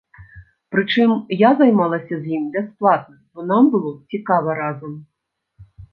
Прычым, я займалася з ім бясплатна, бо нам было цікава разам.